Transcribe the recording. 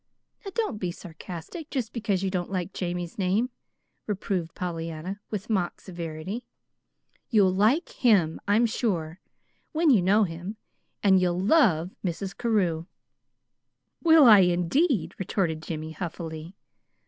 "Now don't be sarcastic, just because you don't like Jamie's name," reproved Pollyanna, with mock severity. "You'll like HIM, I'm sure, when you know him; and you'll LOVE Mrs. Carew." "Will I, indeed?" retorted Jimmy huffily.